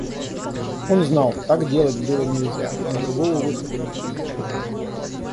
Он знал – так делать было нельзя, но другого выхода не было.